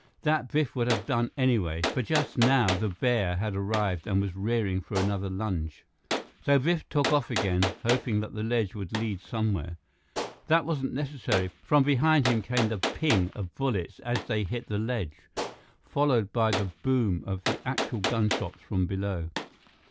That Biff would have done anyway, for just now, the bear had arrived and was rearing for another lunge. So Biff took off again, hoping that the ledge would lead somewhere. That wasn't necessary. From behind him came the ping of bullets as they hit the ledge, followed by the boom of the actual gunshots from below.